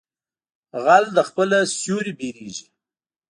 غل د خپله سوري بيرېږي.